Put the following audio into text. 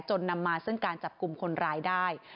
นำมาซึ่งการจับกลุ่มคนร้ายได้